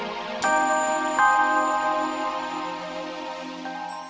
aku mau nganterin